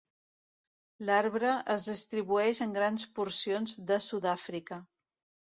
L'arbre es distribueix en grans porcions de Sud-àfrica.